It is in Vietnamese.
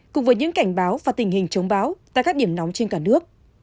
cùng với những cảnh báo và tình hình chống bão tại các điểm nóng trên cả nước